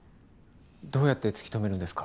どうやって突き止めるんですか？